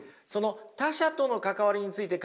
他者との関わりについてね